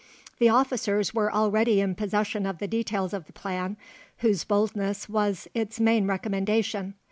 The officers were already in possession of the details of the plan, whose boldness was its main recommendation.